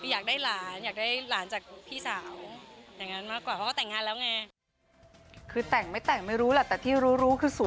อยากได้หลานอยากได้หลานจากพี่สาว